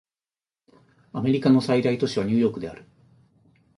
アメリカの最大都市はニューヨークである